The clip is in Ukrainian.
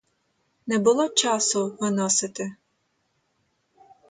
Не було часу виносити.